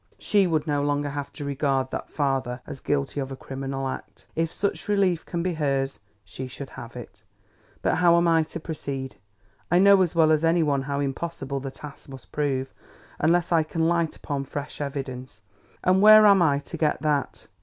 She would no longer have to regard that father as guilty of a criminal act. If such relief can be hers she should have it. But how am I to proceed? I know as well as any one how impossible the task must prove, unless I can light upon fresh evidence. And where am I to get that?